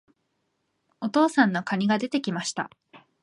お父さんの蟹が出て来ました。